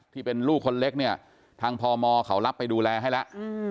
ที่เป็นลูกคนเล็กเนี่ยทางพมเขารับไปดูแลให้แล้ว